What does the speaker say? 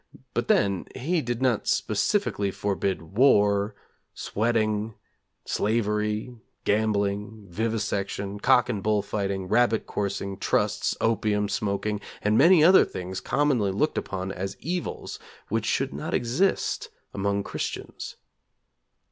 But then he did not specifically forbid war, sweating, slavery, gambling, vivisection, cock and bull fighting, rabbit coursing, trusts, opium smoking, and many other things commonly looked upon as evils which should not exist among Christians.